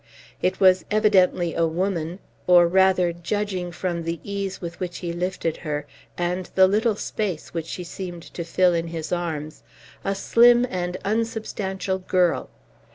It was evidently a woman; or, rather, judging from the ease with which he lifted her, and the little space which she seemed to fill in his arms, a slim and unsubstantial girl.